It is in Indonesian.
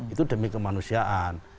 itu demi kemanusiaan